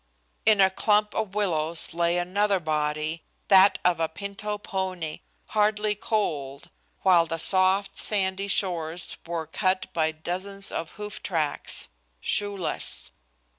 In a clump of willows lay another body, that of a pinto pony, hardly cold, while the soft, sandy shores were cut by dozens of hoof tracks shoeless.